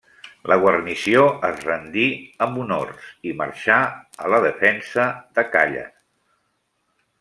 La guarnició es rendí amb honors i marxà a la defensa de Càller.